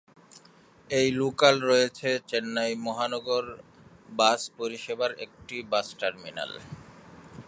এই লোকাল রয়েছে চেন্নাই মহানগর বাস পরিষেবার একটি বাস টার্মিনাল।